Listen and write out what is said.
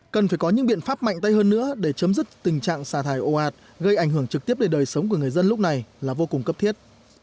cần phải có những biện pháp mạnh tay hơn nữa để chấm dứt tình trạng xả thải ô ạt gây ảnh hưởng trực tiếp đến đời sống của người dân lúc này là vô cùng cấp thiết